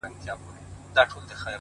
ډيره ژړا لـــږ خـــنــــــــــدا.